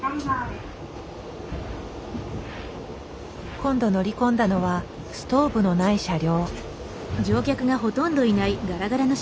今度乗り込んだのはストーブのない車両。